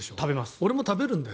俺も食べるんですよ。